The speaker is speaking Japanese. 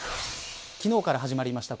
昨日から始まりました